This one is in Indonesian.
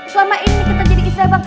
selama ini kita jadi kisah bang